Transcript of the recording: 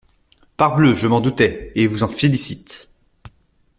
Parbleu, je m'en doutais et vous en félicite.